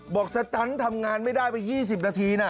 บอกตัดที่ทำงานไม่ได้ไป๒๐นาที